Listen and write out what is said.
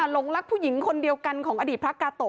หลงรักผู้หญิงคนเดียวกันของอดีตพระกาโตะ